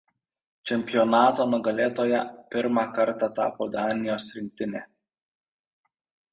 Čempionato nugalėtoja pirmą kartą tapo Danijos rinktinė.